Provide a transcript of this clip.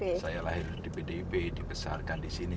saya lahir di pdip dibesarkan di sini